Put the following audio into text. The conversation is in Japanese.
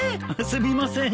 すみません。